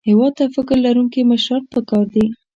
هېواد ته فکر لرونکي مشران پکار دي